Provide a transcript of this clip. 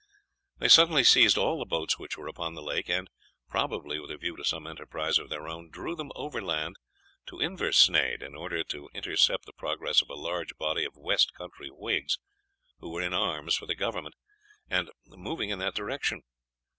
They suddenly seized all the boats which were upon the lake, and, probably with a view to some enterprise of their own, drew them overland to Inversnaid, in order to intercept the progress of a large body of west country whigs who were in arms for the government, and moving in that direction.